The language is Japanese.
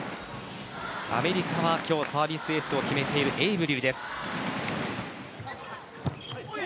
アメリカは今日サービスエースを決めているエイブリルです。